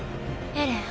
エレン。